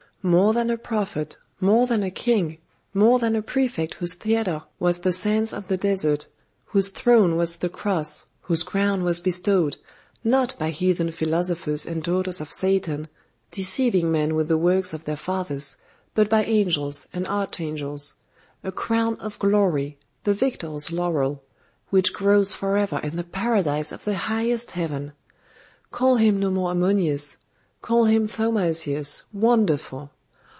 More than a prophet, more than a king, more than a prefect whose theatre was the sands of the desert, whose throne was the cross, whose crown was bestowed, not by heathen philosophers and daughters of Satan, deceiving men with the works of their fathers, but by angels and archangels; a crown of glory, the victor's laurel, which grows for ever in the paradise of the highest heaven. Call him no more Ammonius, call him Thaumasius, wonderful!